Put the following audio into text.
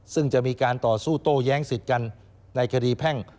ซึ่งจะมีการต่อสู้โต้แย้งสิทธิ์กันในคดีแพ่ง